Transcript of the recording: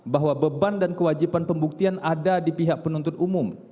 bahwa beban dan kewajiban pembuktian ada di pihak penuntut umum